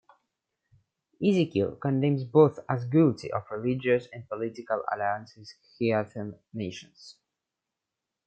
Ezekiel condemns both as guilty of religious and political alliance with heathen nations.